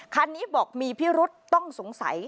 คันนี้บอกมีพิรุษต้องสงสัย